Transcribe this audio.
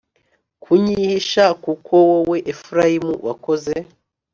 kunyihisha kuko wowe Efurayimu wakoze